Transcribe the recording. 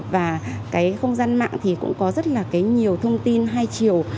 và cái không gian mạng thì cũng có rất là nhiều thông tin hai chiều